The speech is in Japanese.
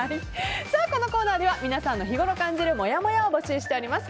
このコーナーでは皆さんの日ごろ感じるもやもやを募集しております。